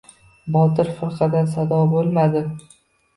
Botir firqadan... sado bo‘lmadi.